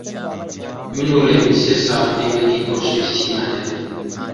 من و ڕێبین سێ ساڵە پەیوەندیی خۆشەویستیمان هەیە.